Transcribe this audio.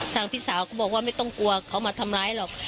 พี่สาวก็บอกว่าไม่ต้องกลัวเขามาทำร้ายหรอก